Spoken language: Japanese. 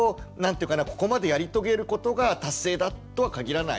ここまでやり遂げることが達成だとは限らないので。